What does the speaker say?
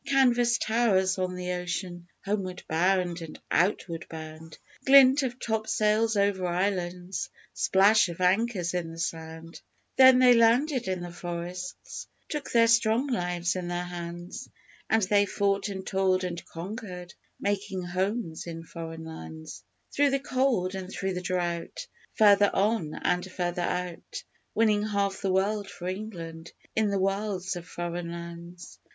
Canvas towers on the ocean homeward bound and outward bound Glint of topsails over islands splash of anchors in the sound; Then they landed in the forests, took their strong lives in their hands, And they fought and toiled and conquered making homes in Foreign Lands, Through the cold and through the drought Further on and further out Winning half the world for England in the wilds of Foreign Lands.